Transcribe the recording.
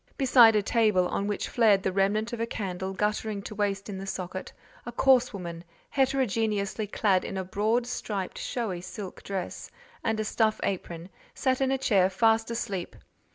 Beside a table, on which flared the remnant of a candle guttering to waste in the socket, a coarse woman, heterogeneously clad in a broad striped showy silk dress, and a stuff apron, sat in a chair fast asleep.